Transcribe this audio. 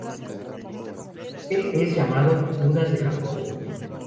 Él es llamado "Judas de Jacobo".